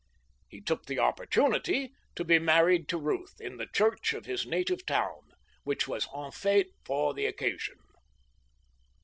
He took this opportunity to be married to Ruth, in the church in his native town, which was en fête for the occasion.